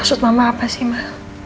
masuk mama apa sih ma